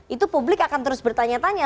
itu publik akan terus bertanya tanya